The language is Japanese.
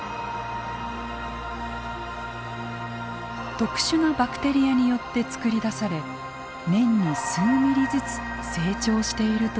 特殊なバクテリアによってつくり出され年に数ミリずつ成長しているといいます。